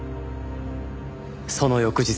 その翌日。